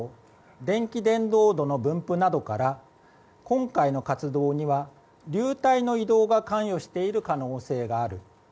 電気伝導度の分布などから今回の活動には、流体の移動が関与している可能性がある。